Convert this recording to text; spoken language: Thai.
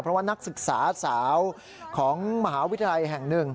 เพราะว่านักศึกษาสาวของมหาวิทยาลัยแห่งหนึ่ง